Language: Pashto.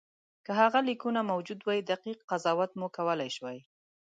که هغه لیکونه موجود وای دقیق قضاوت مو کولای شوای.